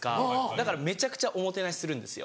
だからめちゃくちゃおもてなしするんですよ。